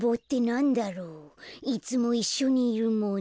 いつもいっしょにいるもの。